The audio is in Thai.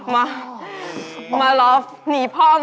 มามารอหนีพ่อ